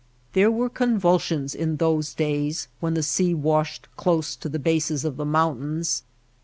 There were convulsions in those days when the sea washed close to the bases of the moun tains.